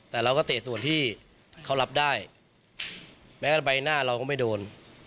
แต่เราก็เตะส่วนที่เขารับได้แม้ใบหน้าเราก็ไม่โดน